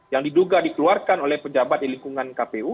yang diduga dikeluarkan oleh pejabat di lingkungan kpu